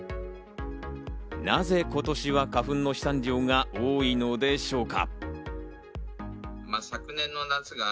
なぜ今年は花粉の飛散量が多いのでしょうか？